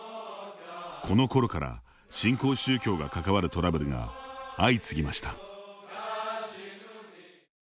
このころから新興宗教が関わるトラブルが相次ぎました。